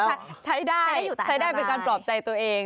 ใช้ใช้ได้ใช้ได้เป็นการปลอบใจตัวเอง